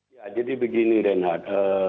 ya jadi begini renhat